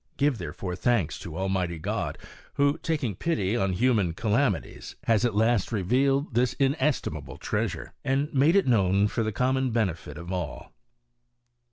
Give therefore thanks to Almighty God, who, tsiin^ pity on human calamities, has at last revealed this inestimable treasure, and made it known for the com mon benefit of all.